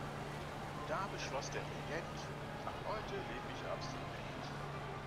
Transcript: Und da beschloss der Regent: Ab heute lebe ich abstinent.